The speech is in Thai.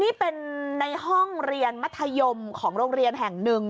นี่เป็นในห้องเรียนมัธยมของโรงเรียนแห่งหนึ่ง